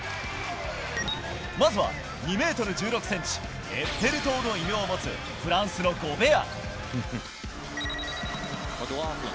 まずは、２メートル１６センチ、エッフェル塔の異名を持つフランスのゴベア。